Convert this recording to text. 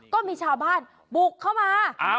ก็มีชาวบ้านบุกเข้ามา